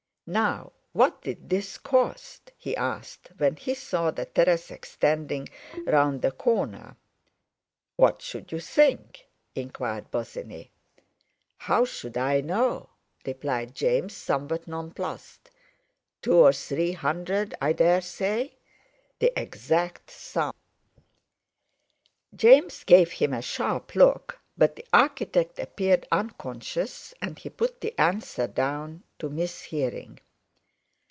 "Now what did this cost?" he asked, when he saw the terrace extending round the corner. "What should you think?" inquired Bosinney. "How should I know?" replied James somewhat nonplussed; "two or three hundred, I dare say!" "The exact sum!" James gave him a sharp look, but the architect appeared unconscious, and he put the answer down to mishearing.